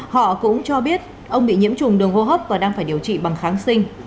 họ cũng cho biết ông bị nhiễm trùng đường hô hấp và đang phải điều trị bằng kháng sinh